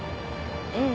うん。